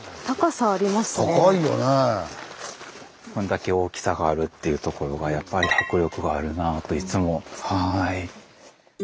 こんだけ大きさがあるっていうところがやっぱり迫力があるなあといつもはい。